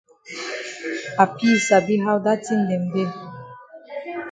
Papi sabi how wey dat tin dem dey.